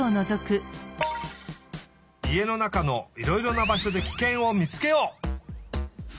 家の中のいろいろなばしょでキケンをみつけよう！